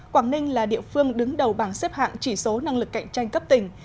quảng ninh là địa phương đứng đầu bảng xếp hạng chỉ số năng lực cạnh tranh cấp tỉnh